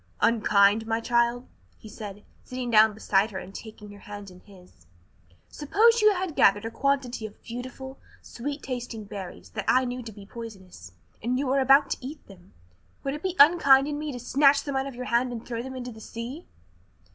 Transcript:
"Unkind, my child?" he said, sitting down beside her and taking her hand in his. "Suppose you had gathered a quantity of beautiful, sweet tasted berries that I knew to be poisonous, and were about to eat them; would it be unkind in me to snatch them out of your hand and throw them into the sea?"